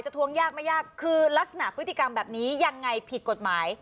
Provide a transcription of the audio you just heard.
ทวงยากไม่ยากคือลักษณะพฤติกรรมแบบนี้ยังไงผิดกฎหมาย